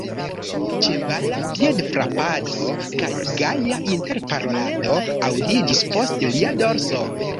Ĉevala piedfrapado kaj gaja interparolado aŭdiĝis post lia dorso.